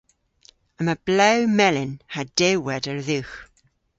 Yma blew melyn ha dewweder dhywgh.